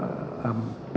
untuk membuat berkaya